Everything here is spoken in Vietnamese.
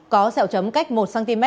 có sẹo chấm cách một cm